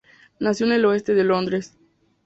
Nació en el oeste de Londres.